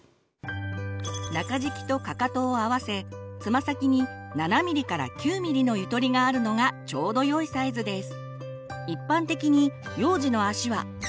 中敷きとかかとを合わせつま先に７ｍｍから９ｍｍのゆとりがあるのがちょうどよいサイズです。